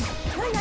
何？